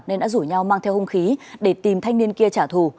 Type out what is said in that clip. nên đã rủ nhau mang theo hung khí để tìm thanh niên kia trả thù